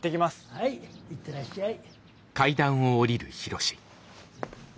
はい行ってらっしゃい。